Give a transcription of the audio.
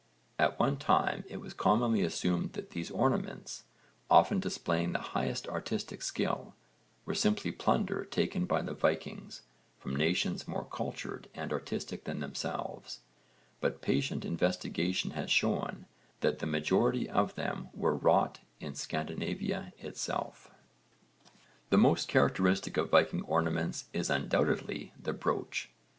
At one time it was commonly assumed that these ornaments, often displaying the highest artistic skill, were simply plunder taken by the Vikings from nations more cultured and artistic than themselves, but patient investigation has shown that the majority of them were wrought in Scandinavia itself. [Illustration: PLATE II Ornaments of the Viking period] The most characteristic of Viking ornaments is undoubtedly the brooch.